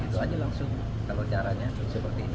itu aja langsung kalau caranya seperti ini